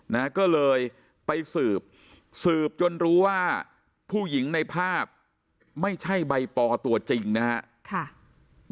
นะก็เลยไปสืบสืบจนรู้ว่าผู้หญิงในภาพไม่ใช่ใบปอตัวจริงนะครับ